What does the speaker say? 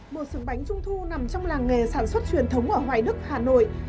một sừng bánh trung thu nằm trong làng nghề sản xuất truyền thống ở hoài đức hà nội